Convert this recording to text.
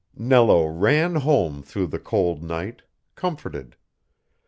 Nello ran home through the cold night, comforted.